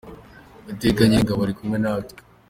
Uwiteka Nyiringabo ari kumwe natwe